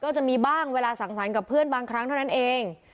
จะมีบ้างเวลาสั่งสรรค์กับเพื่อนบางครั้งเท่านั้นเอง